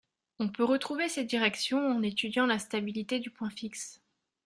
On peut retrouver ces directions en étudiant la stabilité du point fixe